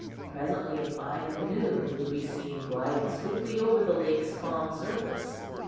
Presently a fine canoe would be seen gliding swiftly over the lake's calm surface.